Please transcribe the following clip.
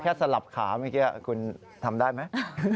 แค่สลับขามีเกลียวอ่ะคุณทำได้ไหม